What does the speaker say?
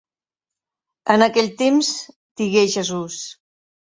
En aquell temps digué Jesús...